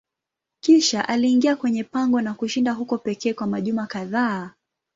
Kisha aliingia kwenye pango na kushinda huko pekee kwa majuma kadhaa.